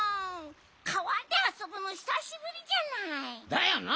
かわであそぶのひさしぶりじゃない！だよな！